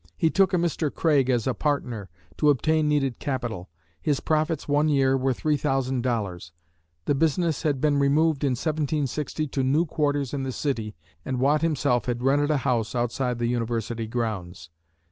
He took a Mr. Craig as a partner, to obtain needed capital. His profits one year were $3,000. The business had been removed in 1760 to new quarters in the city, and Watt himself had rented a house outside the university grounds.